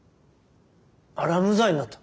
あれは無罪になった。